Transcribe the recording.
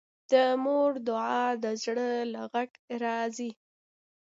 د مور دعا د زړه له غږه راځي